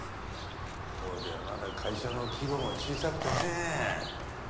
当時はまだ会社の規模も小さくてね。